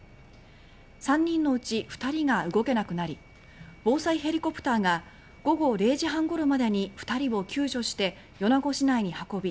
３人のうち２人が動けなくなり防災ヘリコプターが午後０時半ごろまでに２人を救助して米子市内に運び